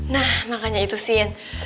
nah makanya itu sien